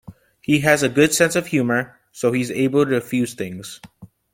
He has a good sense of humor, so he's able to defuse things.